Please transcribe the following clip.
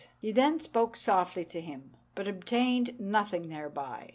He then spoke softly to him, but obtained nothing thereby.